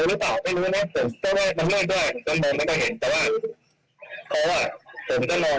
เลยลอเท้าออกเดี่ยวเจ้ามาบันตรีที่ตอนนี้พอดีครับ